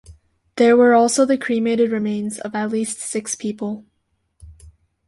There were also the cremated remains of at least six people.